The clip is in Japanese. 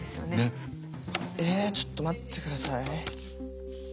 えちょっと待ってください。